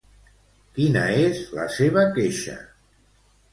Quina és la seva queixa?